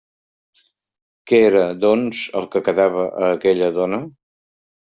Què era, doncs, el que quedava a aquella dona?